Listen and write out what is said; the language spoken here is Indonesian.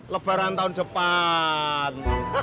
kebaran tahun depan